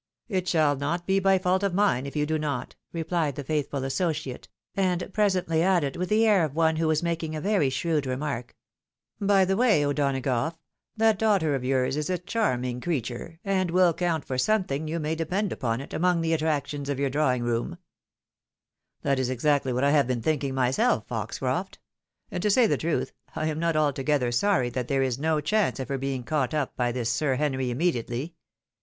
" It shall not be by fault of mine if you do not," replied the faithful associate ; and presently added, with the air of one who was making a very shrewd remark, " By the way, O'Donagough, that daughter of yours is a charming creature, and will count for something, you may depend upon it, among the attractions of your drawing rooni." " That is exactly what I have been thinking myself, Fox croft; and to say the truth, I am not altogether sorry that there is no chance of her being caught up by this Sir Henry immediately.